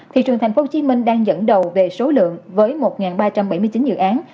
thị trường tp hcm đang dẫn đầu về số lượng với một ba trăm bảy mươi chín dự án